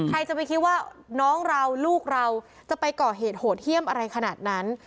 ใครจะไปคิดว่าน้องเราลูกเราจะไปก่อเหตุโหดเยี่ยมอะไรขนาดนั้น